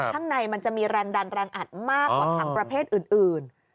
ข้างในมันจะมีแรงดันแรงอัดมากกว่าถังประเภทอื่น